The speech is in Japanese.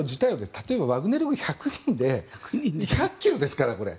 例えばワグネル軍１００人で１００ｋｍですから。